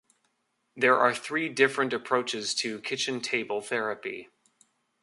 There are three different approaches to kitchen table therapy.